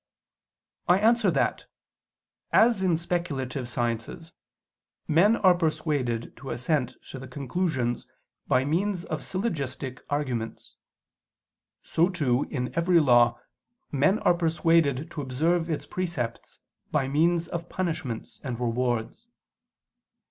I answer that, As in speculative sciences men are persuaded to assent to the conclusions by means of syllogistic arguments, so too in every law, men are persuaded to observe its precepts by means of punishments and rewards.